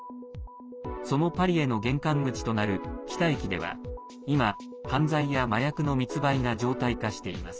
そのパリへの玄関口となる北駅では今犯罪や麻薬の密売が常態化しています。